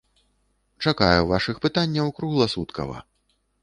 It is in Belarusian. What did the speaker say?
Чакаю вашых пытанняў кругласуткава!